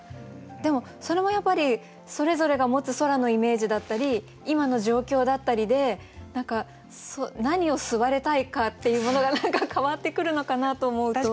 でもそれもやっぱりそれぞれが持つ空のイメージだったり今の状況だったりで何を吸われたいかっていうものが変わってくるのかなと思うと。